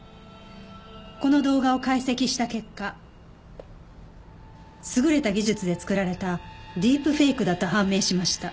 この動画を解析した結果優れた技術で作られたディープフェイクだと判明しました。